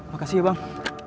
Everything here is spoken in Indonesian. makasih ya bang